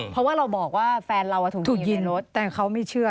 เพราะว่าเราบอกว่าแฟนเราถูกยิงรถแต่เขาไม่เชื่อ